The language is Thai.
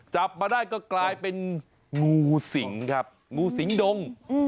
จับมาได้ก็กลายเป็นงูสิงครับงูสิงดง